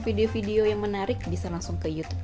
video video yang menarik bisa langsung ke youtube